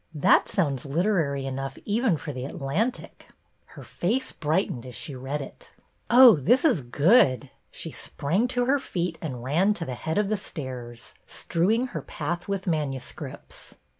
''That sounds literary enough even for The Atlantic.^^ Her face brightened as she read it. 20 BETTY BAIRD'S VENTURES '' Oh, this is good." She sprang to her feet and ran to the head of the stairs, strewing her path with manuscripts.